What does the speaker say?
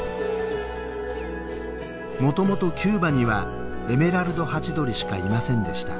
もともとキューバにはエメラルドハチドリしかいませんでした。